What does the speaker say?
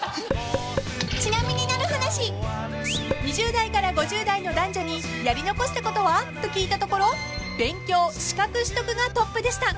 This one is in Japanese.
［２０代から５０代の男女にやり残したことは？と聞いたところ勉強・資格取得がトップでした］